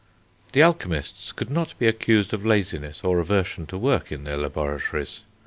The alchemists could not be accused of laziness or aversion to work in their laboratories.